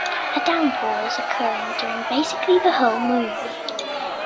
A downpour is occurring during basically the whole movie.